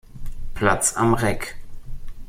Platz am Reck.